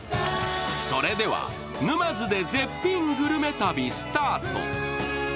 それでは沼津で絶品グルメ旅、スタート。